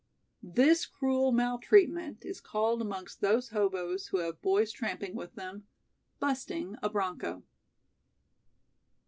This cruel maltreatment is called amongst those hoboes who have boys tramping with them: "Busting a Broncho".